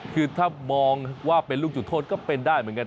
คือถ้ามองว่าเป็นลูกจุดโทษก็เป็นได้เหมือนกัน